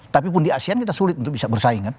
tapi pun di asean kita sulit untuk bisa bersaing kan